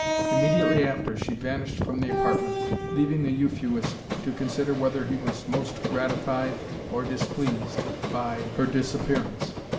Immediately after, she vanished from the apartment, leaving the Euphuist to consider whether he was most gratified or displeased by her disappearance.